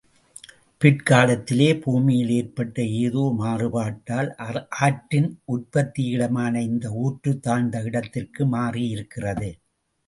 பிற்காலத்திலே பூமியில் ஏற்பட்ட ஏதோ மாறுபட்டால், ஆற்றின் உற்பத்தியிடமான இந்த ஊற்றுத் தாழ்ந்த இடத்திற்கு மாறியிருக்கிறது.